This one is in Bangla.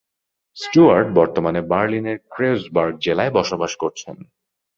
স্টুয়ার্ট বর্তমানে বার্লিনের ক্রেউজবার্গ জেলায় বসবাস করছেন।